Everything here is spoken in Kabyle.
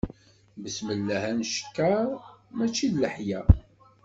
Besmellah ad ncekker, mačči d leḥya.